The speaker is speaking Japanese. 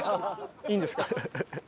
いいんですか？